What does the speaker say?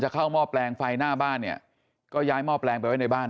เข้าหม้อแปลงไฟหน้าบ้านเนี่ยก็ย้ายหม้อแปลงไปไว้ในบ้าน